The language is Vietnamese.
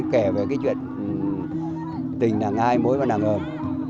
kể về cái chuyện tình nàng hai mối và nàng ơm